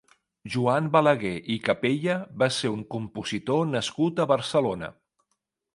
Joan Balaguer i Capella va ser un compositor nascut a Barcelona.